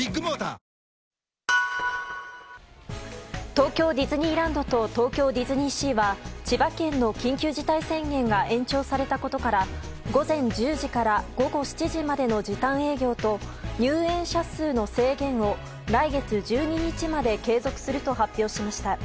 東京ディズニーランドと東京ディズニーシーは千葉県の緊急事態宣言が延長されたことから午前１０時から午後７時までの時短営業と入園者数の制限を来月１２日まで継続すると発表しました。